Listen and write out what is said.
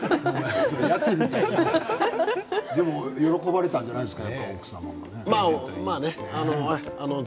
奥さんも喜ばれたんじゃないですか。